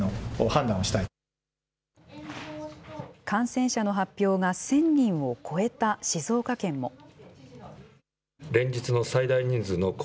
感染者の発表が１０００人を超えた静岡県も。